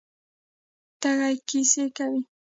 تیږې کیسې کوي.